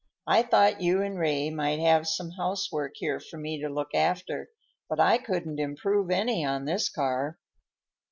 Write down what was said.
"I thought you and Ray might have some housework here for me to look after, but I couldn't improve any on this car."